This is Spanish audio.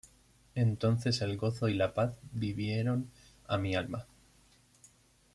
Entonces el gozo y la paz vivieron a mi alma.